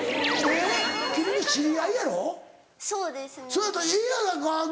そやったらええやないガン！